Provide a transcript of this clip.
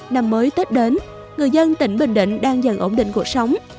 năm mới tết đến người dân tỉnh bình định đang dần ổn định cuộc sống